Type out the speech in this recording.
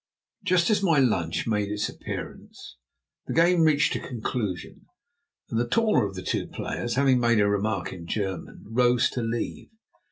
Just as my lunch made its appearance the game reached a conclusion, and the taller of the two players, having made a remark in German, rose to leave.